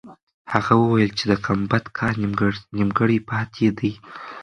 هغه وویل چې د ګمبد کار نیمګړی پاتې دی.